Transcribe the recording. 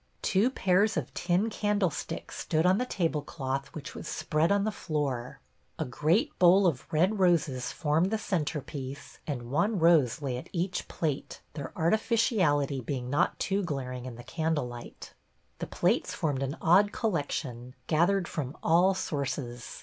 Two pairs of tin candlesticks stood on the tablecloth which was spread on the floor. A great bowl of red roses formed the centrepiece, and one rose lay at each plate, their artificiality being not too glaring in the candle light. The plates formed an odd collection, gathered from all sources.